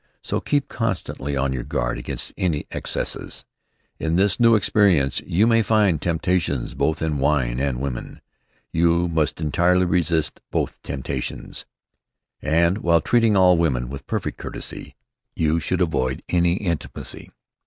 So keep constantly on your guard against any excesses. In this new experience you may find temptations both in wine and women. You must entirely resist both temptations, and while treating all women with perfect courtesy, you should avoid any intimacy.